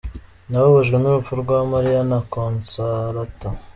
"Nababajwe n'urupfu rwa Maria na Consolata.